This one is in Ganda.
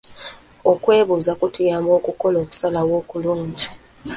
Okwebuuza kutuyamba okukola okusalawo okulungi.